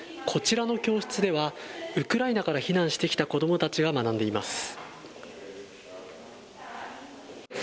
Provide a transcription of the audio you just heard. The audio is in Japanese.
こちらの教室ではウクライナから避難してきた子どもたちが学んでいます。